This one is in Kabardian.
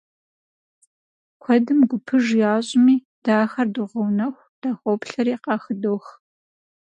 Куэдым гупыж ящӀми, дэ ахэр догъэунэху, дахоплъэри, къахыдох.